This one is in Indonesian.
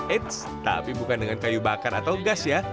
eits tapi bukan dengan kayu bakar atau gas ya